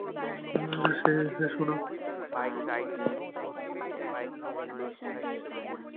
হেই, সোনা।